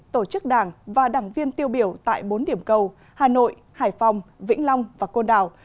tổ chức đảng và đảng viên tiêu biểu tại bốn điểm cầu hà nội hải phòng vĩnh long và côn đảo